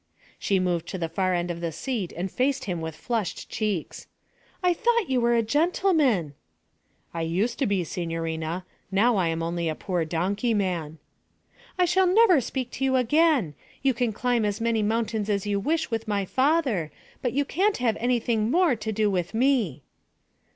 She moved to the far end of the seat and faced him with flushed cheeks. 'I thought you were a gentleman!' 'I used to be, signorina; now I am only poor donkey man.' 'I shall never speak to you again. You can climb as many mountains as you wish with my father, but you can't have anything more to do with me.'